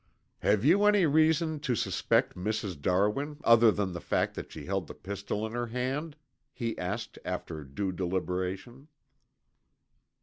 "Have you any reason to suspect Mrs. Darwin other than the fact that she held the pistol in her hand?" he asked after due deliberation.